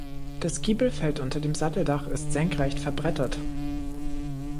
Das Giebelfeld unter dem Satteldach ist senkrecht verbrettert.